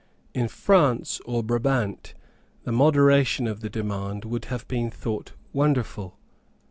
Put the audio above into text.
In France or Brabant the moderation of the demand would have been thought wonderful.